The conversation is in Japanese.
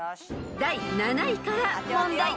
［第７位から問題］